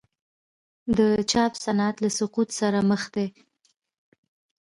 د چاپ صنعت له سقوط سره مخ دی؟